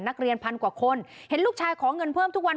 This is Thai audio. นักเรียนพันกว่าคนเห็นลูกชายขอเงินเพิ่มทุกวัน